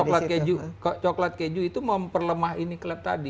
karena coklat keju itu memperlemah ini clap tadi